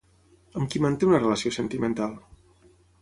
Amb qui manté una relació sentimental?